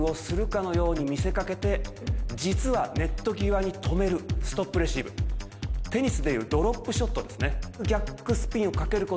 えっ何で？ねぇ実はネット際に止めるストップレシーブテニスで言うドロップショットですね